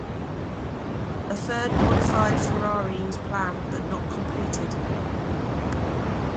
A third modified Ferrari was planned but not completed.